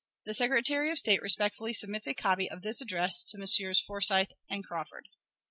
The Secretary of State respectfully submits a copy of this address to Messrs. Forsyth and Crawford.